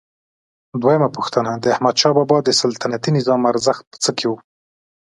دویمه پوښتنه: د احمدشاه بابا د سلطنتي نظام ارزښت په څه کې و؟